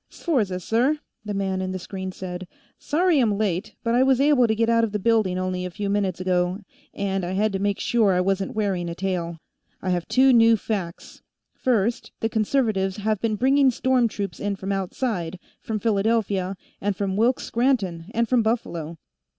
"Sforza, sir," the man in the screen said. "Sorry I'm late, but I was able to get out of the building only a few minutes ago, and I had to make sure I wasn't wearing a tail. I have two new facts. First, the Conservatives have been bringing storm troops in from outside, from Philadelphia, and from Wilkes Scranton, and from Buffalo.